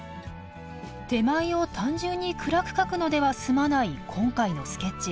手前を単純に暗く描くのでは済まない今回のスケッチ。